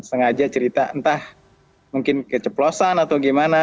sengaja cerita entah mungkin keceplosan atau gimana